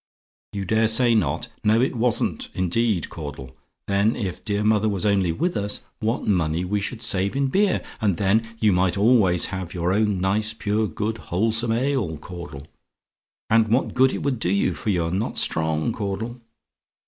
"YOU DARE SAY NOT? "No; it wasn't indeed, Caudle. Then, if dear mother was only with us, what money we should save in beer! And then you might always have your own nice pure, good, wholesome ale, Caudle; and what good it would do you! For you're not strong, Caudle.